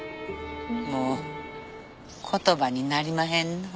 もう言葉になりまへんなあ。